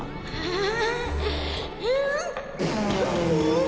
ああ！